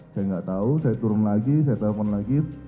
saya nggak tahu saya turun lagi saya telepon lagi